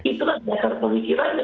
itu lah dasar pemikiran